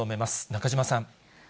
中島さん。